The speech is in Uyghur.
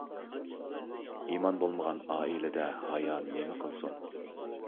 ئىمان بولمىغان ئائىلىدە ھايا نېمە قىلسۇن؟